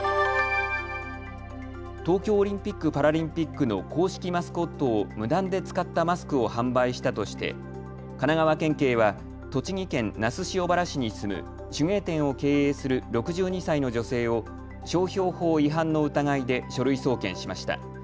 東京オリンピック・パラリンピックの公式マスコットを無断で使ったマスクを販売したとして神奈川県警は栃木県那須塩原市に住む手芸店を経営する６２歳の女性を商標法違反の疑いで書類送検しました。